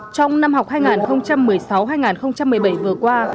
trong năm học hai nghìn một mươi sáu hai nghìn một mươi bảy vừa qua